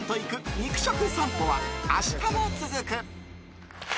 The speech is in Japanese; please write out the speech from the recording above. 肉食さんぽは、明日も続く。